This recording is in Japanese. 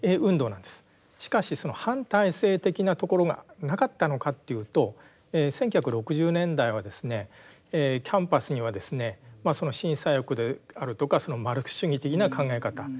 しかしその反体制的なところがなかったのかというと１９６０年代はですねキャンパスにはですね新左翼であるとかマルクス主義的な考え方